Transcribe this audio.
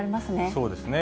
そうですね。